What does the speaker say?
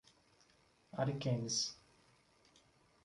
Ariquemes